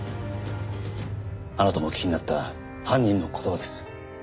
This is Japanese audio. あなたもお聞きになった犯人の言葉です。